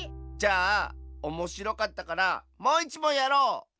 じゃあおもしろかったからもう１もんやろう！